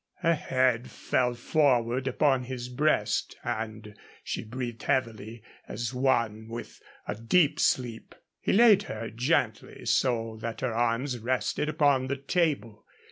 Her head fell forward upon his breast and she breathed heavily as one in a deep sleep. He laid her gently so that her arms rested upon the table.